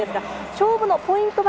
勝負のポイントは？